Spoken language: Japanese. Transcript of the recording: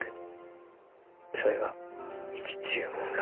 それが生きちゅうもんら